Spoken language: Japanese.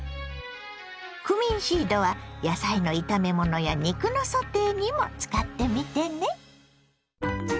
クミンシードは野菜の炒め物や肉のソテーにも使ってみてね。